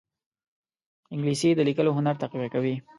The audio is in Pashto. انګلیسي د لیکلو هنر تقویه کوي